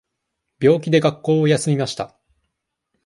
病気で学校を休みました。